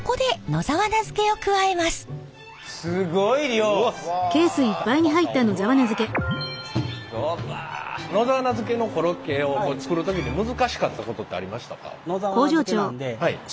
野沢菜漬けのコロッケを作る時に難しかったことってありましたか？